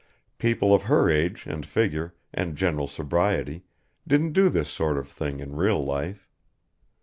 People of her age and figure and general sobriety didn't do this sort of thing in real life.